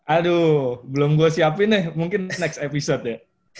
aduh belum gue siapin nih mungkin next episode ya